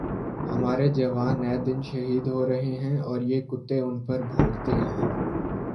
ہمارے جوان اے دن شہید ہو رہے ہیں اور یہ کتے ان پر بھونکتے ہیں